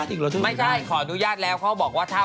ก็ทุกวันตั้งแต่วันจันทร์